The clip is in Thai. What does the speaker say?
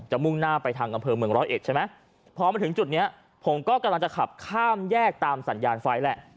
มุ่งหน้าไปทางอำเภอเมืองร้อยเอ็ดใช่ไหมพอมาถึงจุดนี้ผมก็กำลังจะขับข้ามแยกตามสัญญาณไฟแหละ